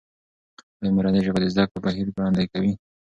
ایا مورنۍ ژبه د زده کړې بهیر ګړندی کوي؟